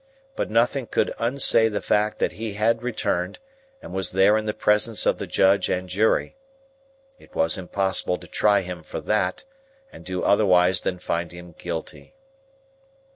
But nothing could unsay the fact that he had returned, and was there in presence of the Judge and Jury. It was impossible to try him for that, and do otherwise than find him guilty.